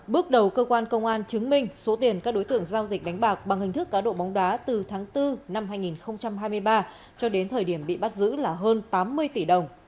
bước đầu cơ quan công an chứng minh số tiền các đối tượng giao dịch đánh bạc bằng hình thức cá độ bóng đá từ tháng bốn năm hai nghìn hai mươi ba cho đến thời điểm bị bắt giữ là hơn tám mươi tỷ đồng